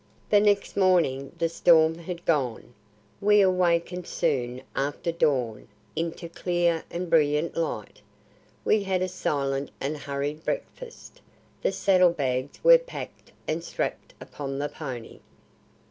The next morning the storm had gone. We awakened soon after dawn into clear and brilliant light. We had a silent and hurried breakfast. The saddlebags were packed and strapped upon the pony.